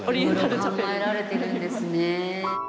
色々考えられてるんですね。